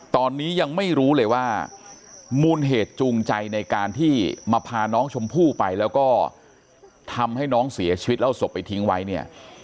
ตอนนี้ยังไม่รู้เลยว่ามูลเหตุจูงใจในการที่มาพาน้องชมพู่ไปแล้วก็ทำให้น้องเสียชีวิตแล้วศพไปทิ้งไว้เนี่ย